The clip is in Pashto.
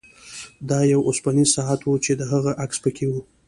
دا یو اوسپنیز ساعت و چې د هغې عکس پکې و